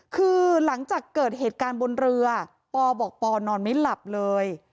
คือหลังจากเกิดเหตุการณ์บนเรือปอบอกปอนอนไม่หลับเลย